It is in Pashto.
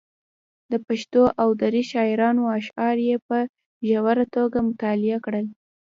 د پښتو او دري شاعرانو اشعار یې په ژوره توګه مطالعه کړل.